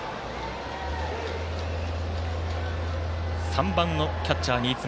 ３番のキャッチャー、新妻。